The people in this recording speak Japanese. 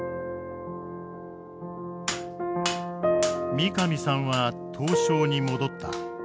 三上さんは刀匠に戻った。